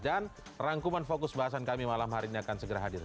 dan rangkuman fokus bahasan kami malam hari ini akan segera hadir